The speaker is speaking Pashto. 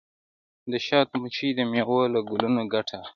د شاتو مچۍ د میوو له ګلونو ګټه اخلي.